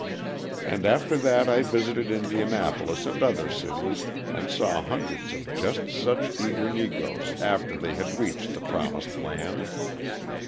And after that I visited Indianapolis and other cities and saw hundreds of just such eager Negroes after they had reached the promised land.